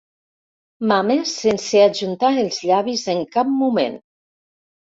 Mames sense ajuntar els llavis en cap moment.